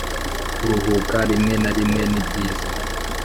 kuruhuka rimwe na rimwe nibyiza